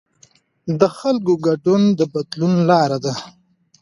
د خلکو ګډون د بدلون لاره ده